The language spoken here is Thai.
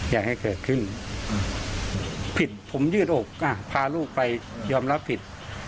อยากให้เกิดขึ้นผิดผมยืดอกพาลูกไปยอมรับผิด